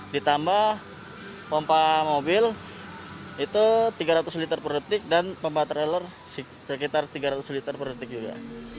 ditambah pompa mobil itu tiga ratus liter per detik dan pompa trailer sekitar tiga ratus liter per detik juga